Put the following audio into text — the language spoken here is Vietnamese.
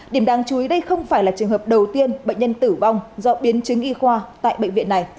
điểm đáng chú ý đây không phải là trường hợp đầu tiên bệnh nhân tử vong do biến chứng y khoa tại bệnh viện này